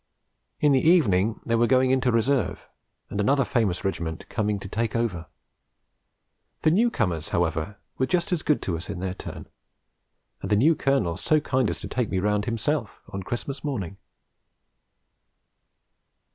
In the evening they were going into reserve, and another famous Regiment coming to 'take over.' The new comers, however, were just as good to us in their turn; and the new Colonel so kind as to take me round himself on Christmas morning.